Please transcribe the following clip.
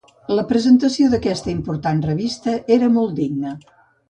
La presentació d'aquesta important revista era molt digna.